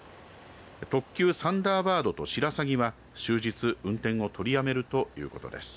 特急サンダーバードとしらさぎは終日運転を取りやめるということです。